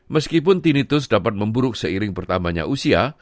meskipun tinnitus dapat memburuk seiring pertamanya usia